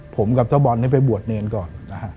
ผมกับเจ้าบอลไปบวชเนรก่อน